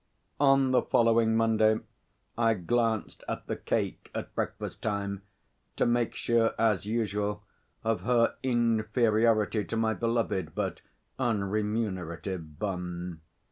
On the following Monday I glanced at The Cake at breakfast time to make sure, as usual, of her inferiority to my beloved but unremunerative Bun.